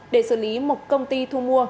để xử lý một công ty thu mua